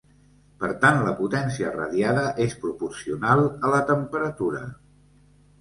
Per tant la potència radiada és proporcional a la temperatura.